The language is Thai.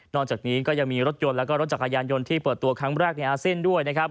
จากนี้ก็ยังมีรถยนต์แล้วก็รถจักรยานยนต์ที่เปิดตัวครั้งแรกในอาเซียนด้วยนะครับ